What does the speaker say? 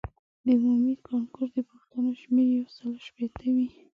د عمومي کانکور د پوښتنو شمېر یو سلو شپیته وي.